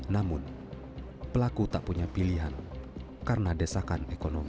namun pelaku tak punya pilihan karena desakan ekonomi